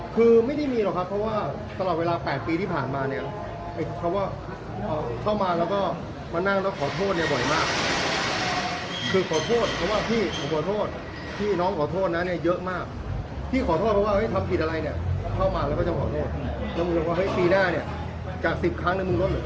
คือไม่ได้มีหรอกครับเพราะว่าตลอดเวลา๘ปีที่ผ่านมาเนี่ยไอ้เขาก็เข้ามาแล้วก็มานั่งแล้วขอโทษเนี่ยบ่อยมากคือขอโทษเพราะว่าพี่ผมขอโทษพี่น้องขอโทษนะเนี่ยเยอะมากพี่ขอโทษเพราะว่าทำผิดอะไรเนี่ยเข้ามาแล้วก็จะขอโทษแล้วมึงบอกว่าเฮ้ปีหน้าเนี่ยกะสิบครั้งเนี่ยมึงลดเหลือ